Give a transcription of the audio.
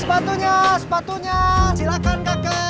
sepatunya sepatunya silakan kakak